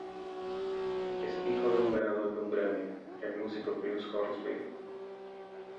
Es hijo del ganador de un Grammy, el músico Bruce Hornsby.